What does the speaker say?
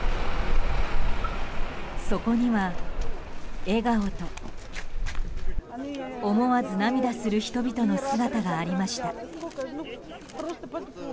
そこには笑顔と思わず涙する人々の姿がありました。